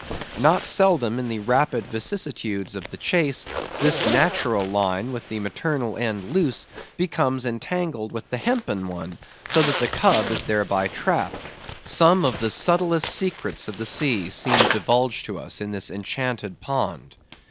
Not seldom in the rapid vicissitudes of the chase, this natural line, with the maternal end loose, becomes entangled with the hempen one, so that the cub is thereby trapped. Some of the subtlest secrets of the seas seemed divulged to us in this enchanted pond.